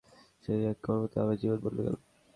কিন্তু, সেই এক মুহূর্তে আমার জীবন বদলে গেলো।